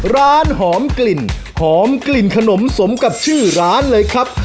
ร้านหอมกลิ่นหอมกลิ่นขนมสมกับชื่อร้านเลยครับ